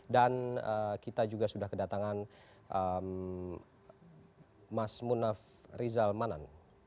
dan kita juga sudah kedatangan mas munaf rizal manan